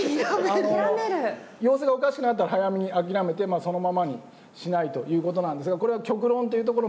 様子がおかしくなったら早めに諦めてそのままにしないということなんですがこれは極論というところもあってですね。